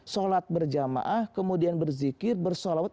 sholat berjamaah kemudian berzikir bersolawat